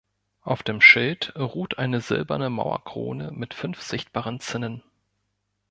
Auf dem Schild ruht eine silberne Mauerkrone mit fünf sichtbaren Zinnen.